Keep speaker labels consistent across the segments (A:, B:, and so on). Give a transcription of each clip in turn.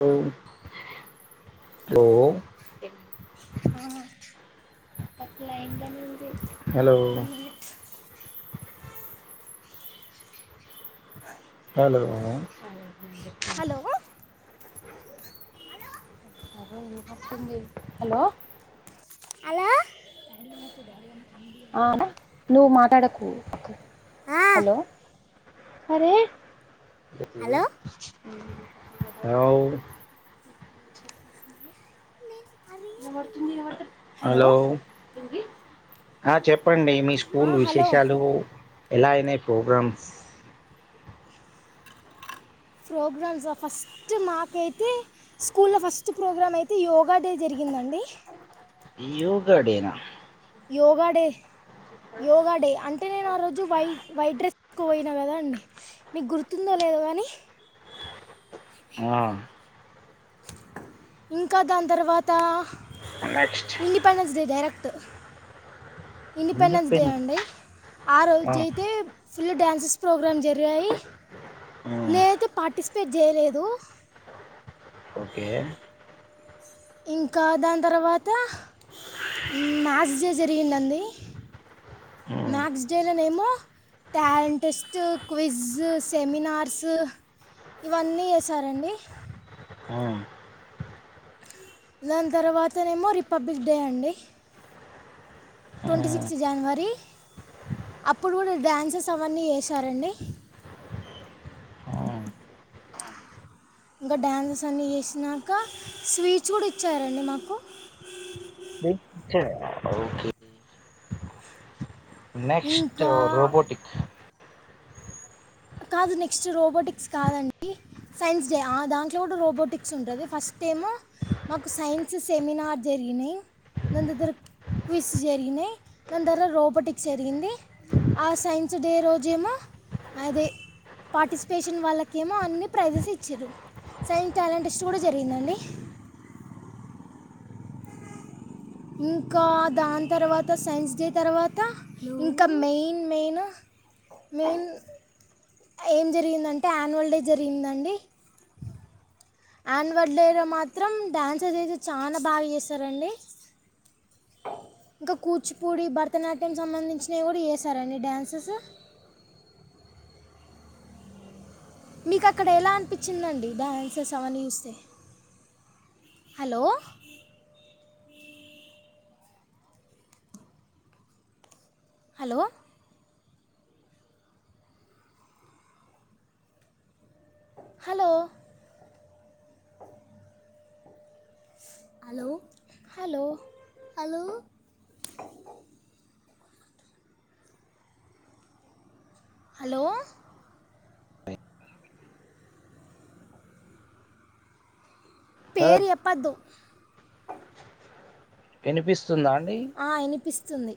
A: To ఓ అట్లా అయితే
B: one minute
A: hello
B: hello
A: hello వినపడ్తుంది హలో
B: హలో
A: ఆ నువ్వు మాట్లాడకు
B: ఆ,
A: హలో అరే ఇది
B: హలో
A: హలో ఏమే వచ్చింది ఇ వంట హలో ఆ చెప్పండి మీ
B: ఆ,
A: స్కూల్
B: హలో
A: విశేషాలు ఎలా అయినా ఈ పోగ్రామ్స్
B: ప్రోగ్రామ్స్ ఆ ఫస్ట్ మాకైతే స్కూల్లో ఫస్ట్ ప్రోగ్రామ్ అయితే యోగా డే జరిగిందండి
A: యోగా డే నా
B: యోగా డే యోగా డే అంటే నేను ఆ రోజు వై వైట్ డ్రెస్ కోయినా కదండి మీకు గుర్తుందో లేదో కానీ
A: ఆ
B: ఇంకా దాని తర్వాత
A: నెక్స్ట్
B: ఇండిపెండెన్స్ డే డైరెక్ట్ తో ఇండిపెండెన్స్ డే అండి ఆ రోజయితే ఫుల్ డ్యాన్సెస్ ప్రోగ్రామ్ జరిగాయి
A: మ్మ్
B: నేన్ అయితే పార్టీస్ పే చేయలేదు
A: ఓకే
B: ఇంకా దాని తర్వాత మ్ మాస్ జ జరిగింది అండి
A: మ్మ్
B: మక్స్ డే లోనేమో టాలెంట్ టెస్ట్ క్విజ్ సెమినార్స్ ఇవన్నీ చేశారు అండి
A: ఆ
B: దాని తర్వాతనేమో రిపబ్లిక్ డే అండి ట్వంటీ సిక్స్త్
A: మ్మ్
B: జనవరి అప్పుడు కూడా డ్యాన్సెస్ అవన్నీ చేసారండి
A: మ్మ్
B: ఇంకా డ్యాన్సెస్ అన్నీ చేసినాక స్వీట్స్ కూడా ఇచ్చారండి మాకు
A: సరే ఓకె నెక్స్ట్
B: ఇంకా
A: రోబోటిక్
B: కాదు నెక్స్ట్ రోబోటిక్స్ కాదండి సైన్స్ డే, ఆ దాంట్లో కూడా రోబోటిక్స్ ఉంటాది, ఫస్ట్ ఏమో మాకు సైన్స్ సెమినార్ జరిగినాయి, దాని తర్వాత క్విజ్ జరిగినాయి, దాని తర్వాత రోబోటిక్స్ జరిగింది, ఆ సైన్స్ డే రోజు ఏమో అదే పాటిస్ఫేషన్ వాళ్లకి ఏమో అన్ని ప్రైజెస్ ఇచిరు, సైన్స్ ట్యాలెంట్ టెస్ట్ కూడా జరిగిందండి. ఇంకా దాని తర్వాత సైన్స్ డే తర్వాత, ఇంకా మెయిన్ మెయిన్ మెయిన్ ఏం జరిగిందంటే యాన్యువల్ డే జరిగిందండి. అన్యువల్ డే లో మాత్రం డాన్సెస్ అయితే చానా బాగా చేశారు అండి, ఇంకా కూచిపూడి భరతనాట్యం సంబంధించినవి కూడా చేస్తారండి డ్యాన్సెస్ మీకు అక్కడ ఎలా అనిపించిందండి డాన్సెస్ అవి అన్ని చూస్తే hello hello hello hello hello hello hello
A: ఆ
B: పేరు చెప్పద్దు
A: వినిపిస్ స్తుందా అండి
B: స్తుంది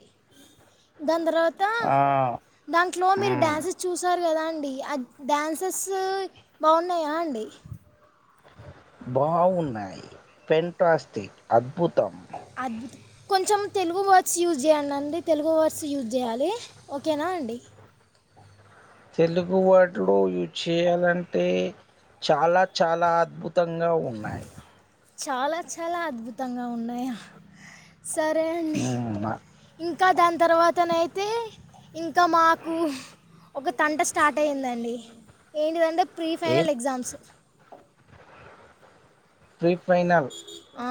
B: దాన్ తర్వాత
A: ఆ
B: దాంట్లో మీరు
A: మ్
B: డ్యాన్సెస్ చూసారు కదా అండి డ్యాన్సెస్ బాగున్నాయా అండి
A: బాగున్నాయి పెంటాస్టిక్ అద్భు
B: అద్భుత కొంచెం తెలుగు వర్డ్స్ యూజ్ చేయండి అండి, తెలుగు వర్డ్స్ యూజ్ చేయాలి ఓకేనా అండి
A: తెలుగు వాటిలో చేయాలంటే చాలా చాలా అద్భు త్తంగా ఉన్నాయి
B: చాలా చాలా అద్భుతంగా ఉన్నాయ సరే అండి
A: మ్
B: ఇం ఇంక దాని తర్వాతనైతే ఇంకా మాకు ఒక తంట స్టార్ట్ అయిందండి ఏంటిదంటే ప్రీ
A: ఏ
B: ఫైనల్ ఎగ్జామ్స్
A: ప్రీ ఫైనాల్
B: ఆ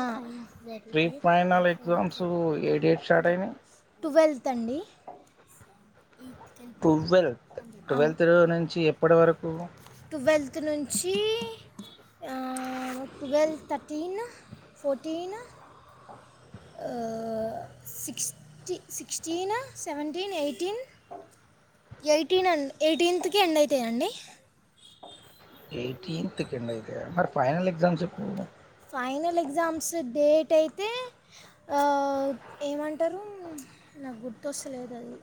B: జరిగితే అది ఫోర్త్కి
A: ఎగ్జామ్స్ ఏ
B: వెళ్ళిపోతాము
A: డేట్
B: అని
A: స్టార్ట్
B: చెప్త
A: అయినాయి
B: టువెల్త్ అండి
A: టువెల్త్ టువెల్త్ నుంచి ఎప్పటి వరకు
B: ఇక నుంచి ఆ టువెల్త్ థర్టీన్ ఫోర్టీన్ ఆ sixty sixteen seventeen eighteen eighteen and eighteenth కి ఎండ్ అవుతయి అండి
A: ఎయిటీన్త్కి ఎండ్ అయితాయా మరి ఫైనల్ ఎక్సామ్స్ ఎప్పుడు
B: ఫైన్ల ఎగ్జామ్స్ డేట్ అయితే ఆ ఏమంటరు నాకు గుర్తొస్తలేదు అది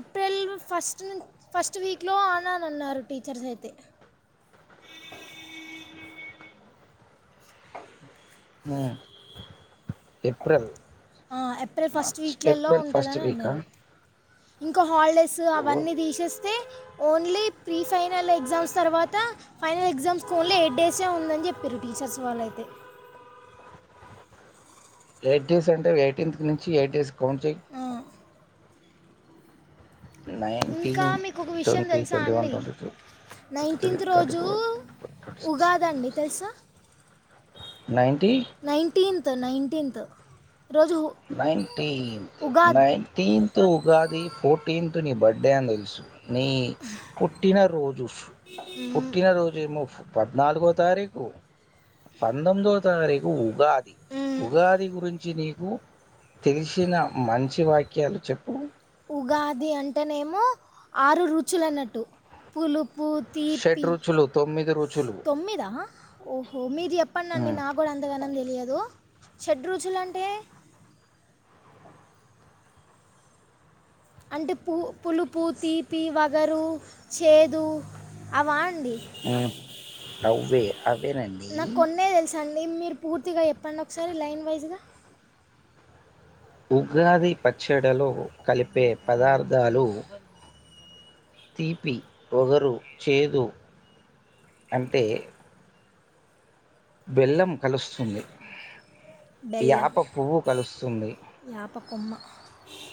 B: ఏప్రిల్ ఫస్ట్ ను ఫస్ట్ వీక్లో అని అన్నారు టీచర్స్ అయితే
A: మ్మ్
B: ఆ ఏప్రిల్ ఫస్ట్
A: మార్చ్
B: వీక్లలో
A: ఏప్రిల్ ఫస్ట్
B: ఉంటుందని
A: వీకా
B: అన్నారు ఇంకొ హాలిడేస్ అవన్నీ తీసేస్తే ఓన్లీ ప్రీ ఫైనల్ ఎగ్జామ్స్ తర్వాత ఫైనల్ ఎగ్జామ్స్కి ఓన్లీ ఎయిట్ డేసే ఉందని చెపిర్రు టీచర్స్ వాళ్ళైతే
A: ఎయిట్ డేస్ అంటే ఎయిటీన్త్ నుంచి ఎయిట్ డేస్కి కౌంట్ చెయ్యి
B: ఆ. ఇంకా
A: నైన్టీన్
B: మీకు ఒక విషయం
A: ట్వంటీ
B: తెలుసా
A: ట్వంటీ వన్
B: అండి,
A: twenty two twenty three
B: nineteenth
A: twenty
B: రోజు
A: ఫోర్ ట్వంటీ సిక్స్
B: ఉగాది అండి తెలుసా
A: ninety
B: nineteenth nineteenth
A: nineteen ninetieth Ugadi fortieth నీ బర్త్ డే డే తెలుసు నీ పుట్టినరోజు
B: మ్,
A: పుట్టినరోజేమో పద్నాలుగో తారీఖు పంతొమ్మిదో తారీఖు ఉగాది
B: మ్,
A: ఉగాది గురించి నీక్ హూ తెలిశిన మంచి వాక్యాలు చెప్పు
B: ఉగాది అంటేనేమో ఆరు రుచులు అన్నట్టు పులు
A: షేడ్ రుచులు తొమ్మిది రుచులు
B: తొమ్మిదా ఓహో మీర్ చెప్పండండి నాకు కూడా అంతగానం తెలియదు దు షేడ్ రుచులంటే అంటే పు పులుపు తీపి వగరు చేదు అవన్
A: ఆ అవ్వే అవేనండి
B: మీ మీరు పూర్తిగా చెప్పండి ఒకసారి లైన్ వైజుగా
A: ఉగాది పచ్చడలో కలిపే పదార్థాలు తీపి వగరు చేదు అంటే బెల్లం కలుస్తుంది
B: బెల్లం
A: యాప పువ్వు కలుస్తుంది
B: యాప కొమ్మ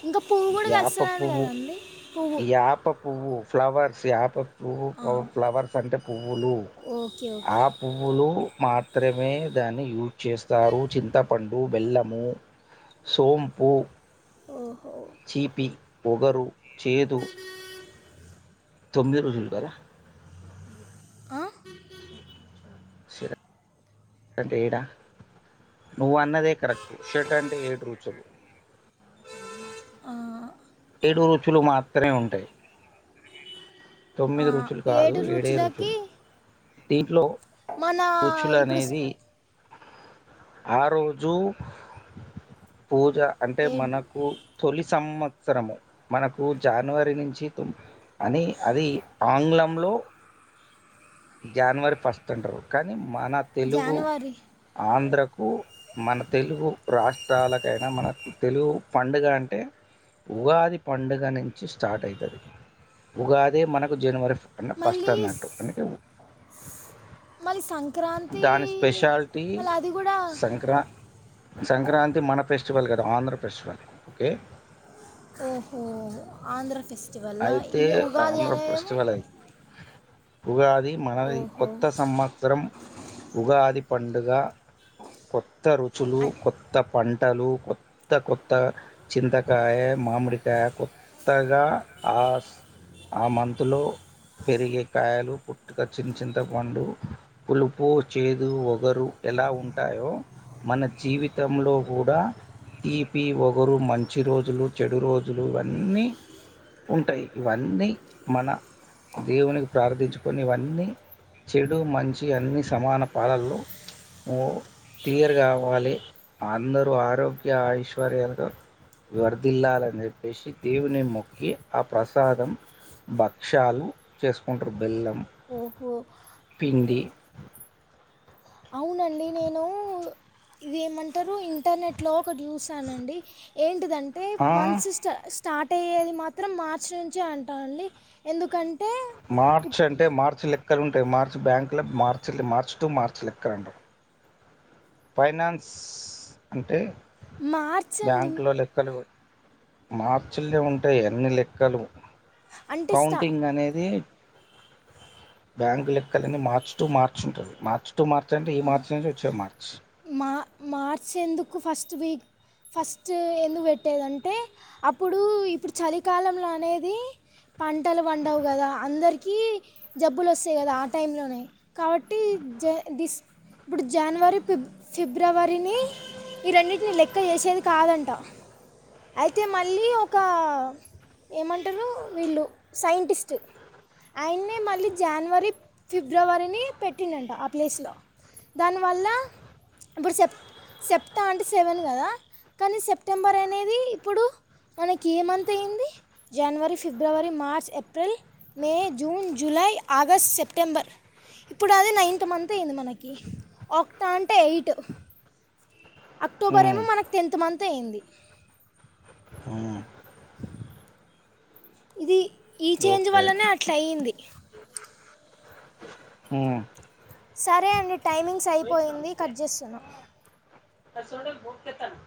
B: ఇంకా పువ్వు కూడా
A: యాప
B: కలుస్తున్నది
A: పువ్వు
B: కదండి పువ్వు
A: యాప పువ్వు ఫ్లవర్ యాప పువ్వు
B: ఆ,
A: ఫ్లవర్స్ అంటే పువ్వులు
B: ఓకే ఓకే
A: ఆ పువ్వులు మాత్రమే దాన్ని యూస్ చేస్తారు చింతప్ పండు బెల్లము సోంపు
B: ఓహ్
A: చీపి ఓగరు చేదు తొమ్మిది రుజులు గదా
B: ఆ
A: షెడ్ అంటే ఏడా నువ్వనదే కరెక్ట్ షెడ్ అంటే ఏడు రుచులు
B: ఆ
A: ఏడు రుచులు మాత్రమే ఉంటాయ్
B: ఆ,
A: తొమ్మిది రుచులు కాదు
B: ఏడు
A: ఏడే రుచులు దింట్లో
B: మనా ఇప్పుడుస్
A: ఆ రోజు పూజ అంటే
B: ఏ-
A: మనకు తొలి సమ్మత్ అవసరము మనకు జనవరినించి అని అది ఆంగ్లంలో జానవరి ఫస్ట్ అంటరు కానీ మన తెలుగు
B: జనవరి
A: ఆంధ్రప్ కు మన తెలుగు రాష్ట్రాలకైనా మనకు తెలుగు పండుగ అంటే ఉగాది పండుగనించి స్టార్ట్ అయితది ఉగాదే మనకు జనవరి నిన్న ఫస్ట్
B: మళ్ళీ
A: అన్నట్టు
B: స్-
A: అందుకే పో
B: మళ్ళీ సంక్రాంతి
A: దాని స్పెషాల్టీ
B: మళ్ళీ అది కూడా
A: సంక్రా సంక్రాంతి మన ఫెస్ స్టివల్ కదా ఆంధ్ర ఫెస్టివల్ ఓకే
B: ఓహో ఆంధ్ర ఫెస్టివల్ల
A: అయితే
B: ఇది ఉగాది
A: ఆంధ్ర
B: అనేవి
A: ఫెస్టివల్ అది ఉగాది మనది కొత్త సమ్మత్సరం ఉగాది పండుగ కొత్త రుచులు
B: అ-
A: కొత్త పంటలు కొత్త కొత్త చింతకాయ మామిడికాయ కొత్తగా ఆస్ ఆ మంతులో పెరిగే కాయలు పుట్టుక చిన్ చింతపండు పులుపు చేదు వగరు ఎలా ఉం టాయో మన జీవితంలో కూడా తీపి ఒగరు మంచి రోజులు చెడు రోజులు అన్నీ ఉంటయ్ ఇవన్నీ మన దేవునికి ప్రార్థిచుకొనివన్నీ చెడు మంచి అన్ని సమాన పాలళ్ళో ఓ క్లియర్గావాలి అందరూ ఆరోగ్య ఐశ్వర్యాలు వర్ధిల్లాలనిచెప్పేసి దేవుని మొక్కి ఆ ప్రసాదం భక్ష్యాలు చేసుకుంటరు బెల్లం
B: ఓహో
A: పిండి
B: అవునండి నేను ఇది ఏమంటారు ఇంటర్నెట్లో ఒకటి చూసానండి ఏంటిదంటే
A: ఆ
B: మన్సిస్టస్ స్టార్ట్ అయ్యేది మాత్రం మార్చి నుంచే అంట అండి ఎందుకంటే
A: మార్చ్ అంటే మార్చి లెక్కలుంటాయి మార్చి బ్యాంకుల మార్చి మార్చి టు మార్చి లెక్కండి ఫైనాన్స్ అంటే
B: మార్చ్ అండి
A: బ్యాంకులో లెక్కలు మార్చుల్లే ఉంటాయ్ అన్ని లెక్కలు
B: అంటే స్టా
A: కౌంటింగ్ అనేది బ్యాంకు లెక్కలన్ని మార్చచ్ టూ మార్చ్ ఉంటాయ్ మార్చ్ టు మార్చ్ అంటే ఈ మార్చ్ నుంచి వచ్చే మార్
B: మా మార్చ్ ఎందుకు ఫస్ట్ వీక్ ఫస్ట్ ఎందుకు పెట్టేదంటే అప్పుడు ఇప్పుడు చలికాలంలో అనేది పంటలు పండవు కదా అందరి కీ జబ్బులొస్తాయి కదా ఆ టైంలోనే కాబట్టి జ డిస్ ఇప్పుడు జాన్వరి ఫిబ్ ఫిబ్ బ్రవరిని ఈ రెండిటిని లెక్క చేసేది కాదంట అయితే మళ్ళీ ఒక ఏమంటరు వీళ్ళు సైంటిస్ట్ ఆయన్నే మళ్ళీ జనవరి ఫిబ్రవరిని పెట్టిండంట ఆ ప్లేస్లో దానివల్ల ఇప్పుడు సెప్ సెప్టా అంటే సెవెన్ కదా కానీ సెప్టెంబర్ అనేది ఇప్పుడు మనకేమంత్ అయింది జనవరి ఫిబ్రవరి March April May June July August September ఇప్పుడు అది నైన్త్ మంత్ అయింది మనకి [unintelligible] టె ఎయిట్ అక్టోబరేమో
A: ఉమ్,
B: మనక్ టెన్త్ మం తయ్యింది
A: ఉమ్.
B: ఇది ఈ చేంజ్
A: ఓకే
B: వల్లనే అట్ల అయ్యింది
A: ఉ
B: సరే అండి టైమింగ్స్ అయిపోయింది కట్ చేస్తున్నా